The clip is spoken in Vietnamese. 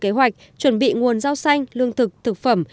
kế hoạch chuẩn bị nguồn rau xanh lương thực thực phẩm